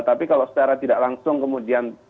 tapi kalau secara tidak langsung kemudian